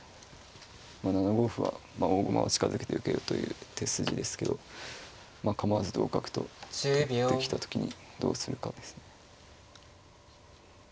まあ７五歩は「大駒は近づけて受けよ」という手筋ですけど構わず同角と取ってきた時にどうするかです。